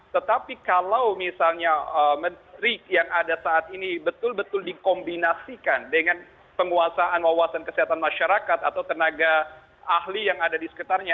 tetapi kalau misalnya menteri yang ada saat ini betul betul dikombinasikan dengan penguasaan wawasan kesehatan masyarakat atau tenaga ahli yang ada di sekitarnya